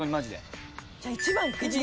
じゃあ１番いく？